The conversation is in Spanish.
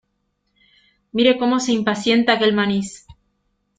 mire cómo se impacienta aquel manís.